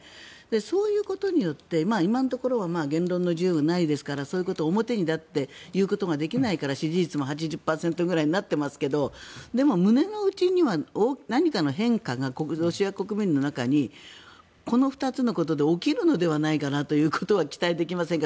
そういうことによって今のところは言論の自由がないですからそういうことを表立って言うことができないから支持率も８０％ぐらいになっていますけどでも胸の内には何かの変化がロシア国民の中にこの２つのことで起きるのではないかなということは期待できませんか？